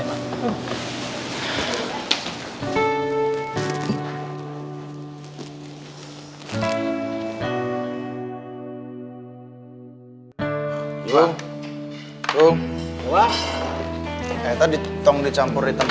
raya cepet sembuh deh